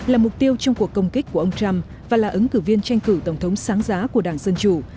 là mục tiêu trong cuộc công kích của ông trump và là ứng cử viên tranh cử tổng thống sáng giá của đảng dân chủ